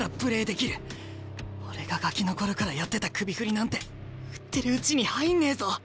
俺がガキの頃からやってた首振りなんて振ってるうちに入んねえぞ！